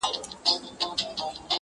• قسمت درې واړه شته من په یوه آن کړل -